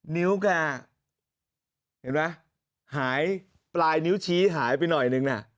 นิ้วแกเห็นไหมหายปลายนิ้วชี้หายไปหน่อยนึงน่ะ